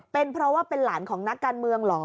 เป็นเพราะว่าเป็นหลานของนักการเมืองเหรอ